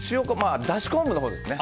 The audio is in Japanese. だし昆布のほうですね。